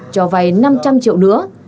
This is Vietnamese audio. cho vay năm trăm linh triệu nữa